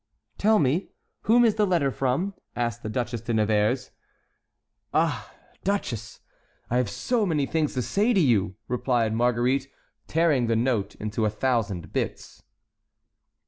"Tell me, whom is the letter from?" asked the Duchesse de Nevers. "Ah, duchess, I have so many things to say to you!" replied Marguerite, tearing the note into a thousand bits.